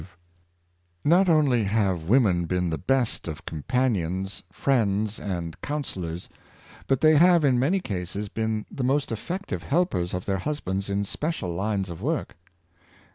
Wives of Scientific Men, 575 Not only have women been the best companions, friends, and counselors, but they have in many cases been the most effective helpers of their husbands in special lines of work.